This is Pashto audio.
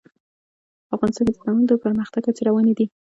افغانستان کې د تنوع د پرمختګ هڅې روانې دي.